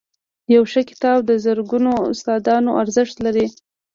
• یو ښه کتاب د زرګونو استادانو ارزښت لري.